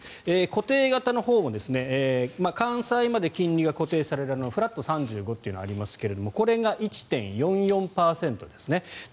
固定型のほうも完済まで金利が固定されるフラット３５というのがありますがこれが１．４４％ですね。